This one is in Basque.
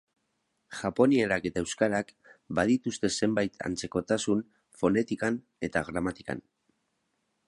Japonierak eta euskarak badituzte zenbait antzekotasun fonetikan eta gramatikan.